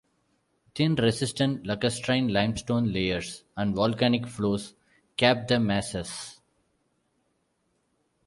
Thin resistant lacustrine limestone layers and volcanic flows cap the mesas.